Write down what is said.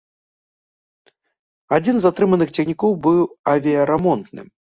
Адзін з атрыманых цягнікоў быў авіярамонтным.